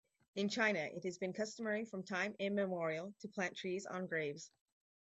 In China it has been customary from time immemorial to plant trees on graves.